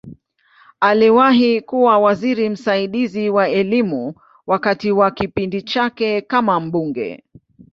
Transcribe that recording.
Aliwahi kuwa waziri msaidizi wa Elimu wakati wa kipindi chake kama mbunge.